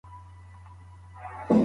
د حاملې ميرمني سره جماع کول حلال دي.